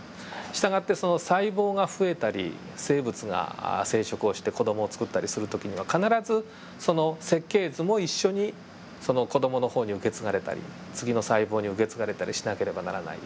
従ってその細胞が増えたり生物が生殖をして子どもをつくったりする時には必ずその設計図も一緒にその子どもの方に受け継がれたり次の細胞に受け継がれたりしなければならない。